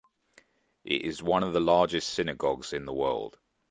It is one of the largest synagogues in the world.